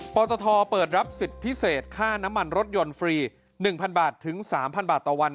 ตทเปิดรับสิทธิ์พิเศษค่าน้ำมันรถยนต์ฟรี๑๐๐บาทถึง๓๐๐บาทต่อวัน